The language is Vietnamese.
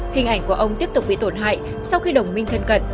hình ảnh của ông tiếp tục bị tổn hại sau khi đồng minh thân cận